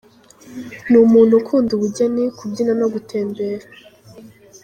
Ni umuntu ukunda ubugeni, kubyina no gutembera.